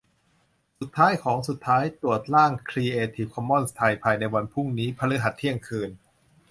สุดท้ายของสุดท้าย ตรวจร่างครีเอทีฟคอมมอนส์ไทย ภายในวันพรุ่งนี้ พฤหัส เที่ยงคืน